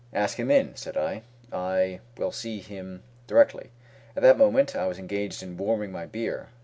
"Ask him in," said I; "I will see him directly." At that moment I was engaged in warming my beer.